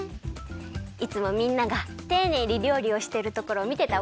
いつもみんながていねいにりょうりをしてるところをみてたおかげかな。